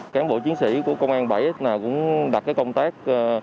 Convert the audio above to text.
cán bộ chiến sĩ của công an bảy cũng đặt công tác